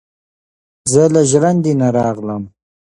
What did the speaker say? ـ زه له ژړندې نه راغلم،